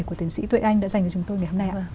của tiến sĩ tuệ anh đã dành cho chúng tôi ngày hôm nay ạ